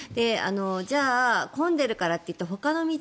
じゃあ、混んでいるからといってほかの道